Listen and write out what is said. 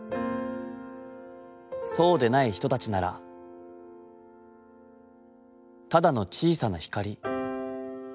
そうでない人たちなら、ただの小さな光。